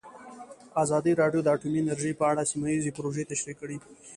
ازادي راډیو د اټومي انرژي په اړه سیمه ییزې پروژې تشریح کړې.